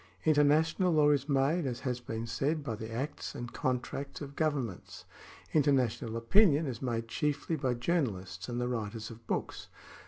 Inter national law is made, as has been said, by the acts and con tracts of governments ; international opinion is made chiefly by journalists and the writers of books.